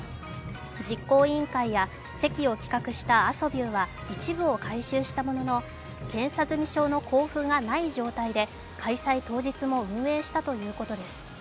実行委員会や席を企画したアソビューは一部を改修したものの検査済み証の交付がない状態で開催当日も運営したということです。